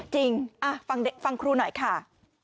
จริงฟังครูหน่อยค่ะ